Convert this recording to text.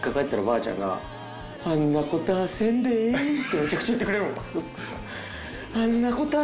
めちゃくちゃ言ってくれるもん。